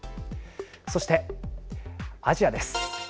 そして、アジアです。